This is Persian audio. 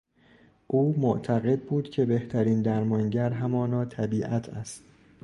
او معتقد بود که بهترین درمانگر همانا طبیعت است.